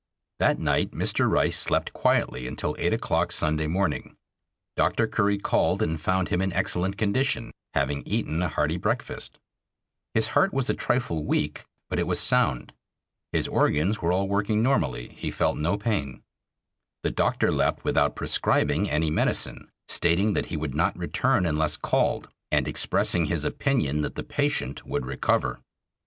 That night Mr. Rice slept quietly until eight o'clock Sunday morning. Dr. Curry called and found him in excellent condition, having eaten a hearty breakfast. His heart was a trifle weak, but it was sound. His organs were all working normally; he felt no pain. The doctor left without prescribing any medicine, stating that he would not return unless called, and expressing his opinion that the patient would recover.